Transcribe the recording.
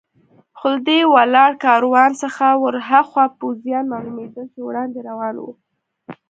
خو له دې ولاړ کاروان څخه ور هاخوا پوځیان معلومېدل چې وړاندې روان و.